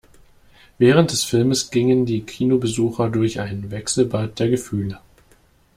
Während des Films gingen die Kinobesucher durch ein Wechselbad der Gefühle.